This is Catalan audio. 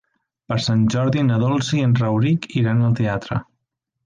Per Sant Jordi na Dolça i en Rauric iran al teatre.